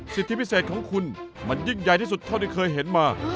สิทธิพิเศษของคุณมันยิ่งใหญ่ที่สุดเท่าที่เคยเห็นมา